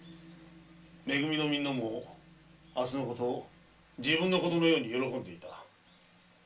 「め組」のみんなも明日の事自分の事のように喜んでいた。